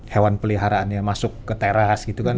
hewan peliharaannya masuk ke teras gitu kan